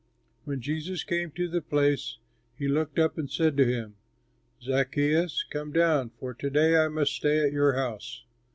When Jesus came to the place, he looked up and said to him, "Zaccheus, come down, for to day I must stay at your house."